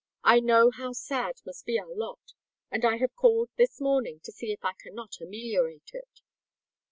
I know how sad must be our lot; and I have called this morning to see if I cannot ameliorate it."